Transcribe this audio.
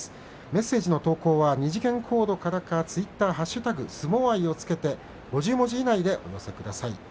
メッセージの投稿は２次元コードからかツイッターハッシュタグ相撲愛をつけて５０文字以内でお寄せください。